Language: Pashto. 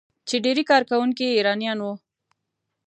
چې ډیری کارکونکي یې ایرانیان وو.